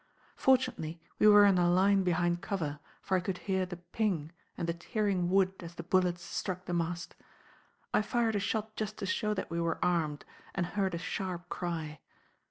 Fortunately we were in a line behind cover, for I could hear the 'ping' and the tearing wood as the bullets struck the mast. I fired a shot just to show that we were armed; and heard a sharp cry.